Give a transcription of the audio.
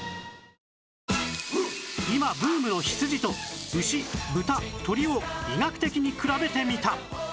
今ブームの羊と牛豚鶏を医学的に比べてみた